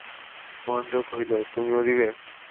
মহেন্দ্র কহিল, তুমিও দিবে?